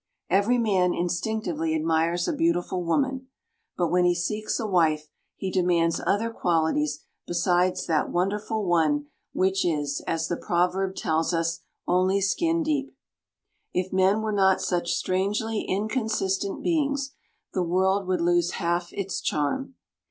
Every man instinctively admires a beautiful woman. But when he seeks a wife, he demands other qualities besides that wonderful one which is, as the proverb tells us, "only skin deep." If men were not such strangely inconsistent beings, the world would lose half its charm.